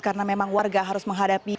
karena memang warga harus menghadapi